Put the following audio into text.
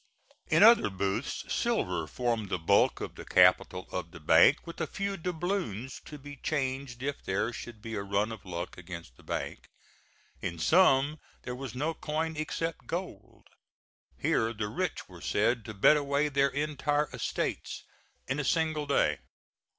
In other booths silver formed the bulk of the capital of the bank, with a few doubloons to be changed if there should be a run of luck against the bank. In some there was no coin except gold. Here the rich were said to bet away their entire estates in a single day.